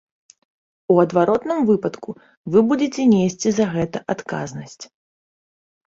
У адваротным выпадку вы будзеце несці за гэта адказнасць.